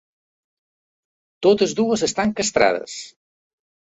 Totes dues estan castrades.